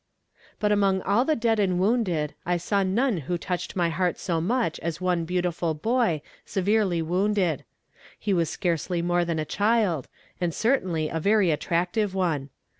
But among all the dead and wounded, I saw none who touched my heart so much as one beautiful boy, severely wounded; he was scarcely more than a child, and certainly a very attractive one.